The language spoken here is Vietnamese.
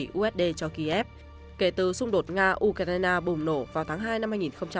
nga đã cung cấp viện trợ quân sự trị giá hàng chục tỷ usd cho kiev kể từ xung đột nga ukraine bùng nổ vào tháng hai năm hai nghìn hai mươi hai